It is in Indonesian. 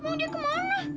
mau dia kemana